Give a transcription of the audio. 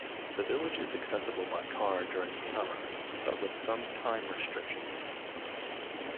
The village is accessible by car during the summer, but with some time restrictions.